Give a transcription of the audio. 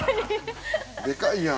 でかいやん。